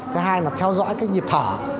cái hai là theo dõi cái nhịp thở